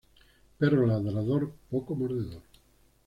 Perro ladrador, poco mordedor